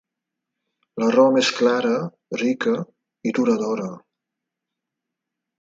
L'aroma és clara, rica i duradora.